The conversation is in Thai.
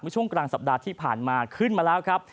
ช่วงกลางสัปดาห์ที่ผ่านมาขึ้นมาแล้วครับ